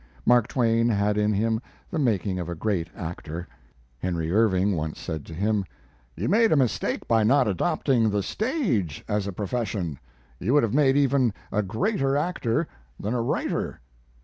Mark Twain had in him the making of a great actor. Henry Irving once said to him: "You made a mistake by not adopting the stage as a profession. You would have made even a greater actor than a writer."